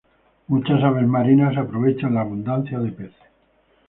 Muchas aves marinas aprovechan la abundancia de peces.